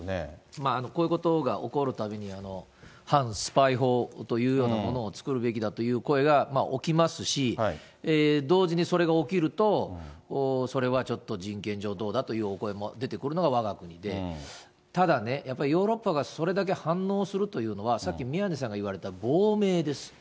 まあ、こういうことが起こるたびに、反スパイ法というようなものを作るべきだという声が起きますし、同時にそれが起きると、それはちょっと人権上どうだというようなお声も出てくるのがわが国で、ただね、やっぱりヨーロッパがそれだけ反応するというのは、さっき、宮根さんが言われた亡命です。